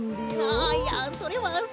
あいやそれはその。